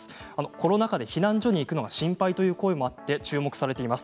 コロナ禍で避難所に行くのが心配という声もあって注目されています。